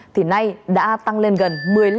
thì nay đã tăng lên gần một mươi năm